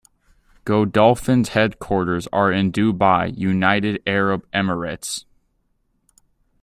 Godolphin's headquarters are in Dubai, United Arab Emirates.